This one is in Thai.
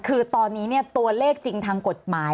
คือตอนนี้ตัวเลขจริงทางกฎหมาย